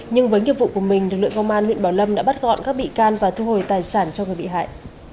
nhưng với nghiệp vụ của mình lực lượng công an huyện bảo lâm đã bắt gọn các bị can và thu hồi tài sản cho người bị hại